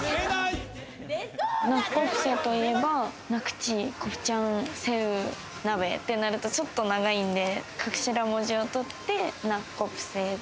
ナッコプセといえば、ナクチ、コプチャン、セウ鍋ってなるとちょっと長いんで、頭文字をとってナッコプセ。